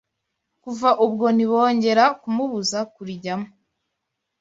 Kuva ubwo ntibongera kumubuza kurijyamo